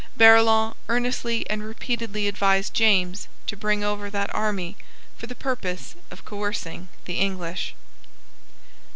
Barillon earnestly and repeatedly advised James to bring over that army for the purpose of coercing the English.